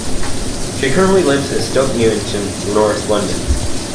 She currently lives in Stoke Newington, North London.